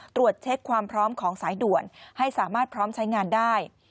ตรวจเช็คความพร้อมของสายด่วนให้สามารถพร้อมใช้งานได้